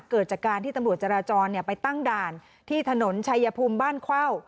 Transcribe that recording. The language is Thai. เกิดจากการที่ตำรวจจราจรไปตั้งด่านที่ถนนชัยภูมิบ้านเข้า